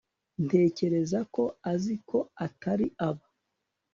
ntekereza ko uzi ko atari aba